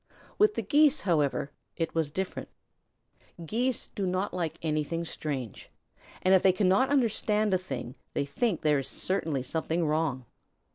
With the Geese, however, it was different. Geese do not like anything strange, and if they cannot understand a thing they think that there is certainly something wrong.